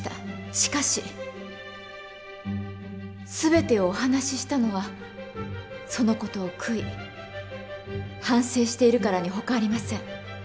しかし全てをお話ししたのはその事を悔い反省しているからにほかありません。